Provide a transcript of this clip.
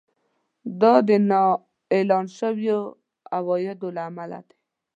دا د نااعلان شويو عوایدو له امله دی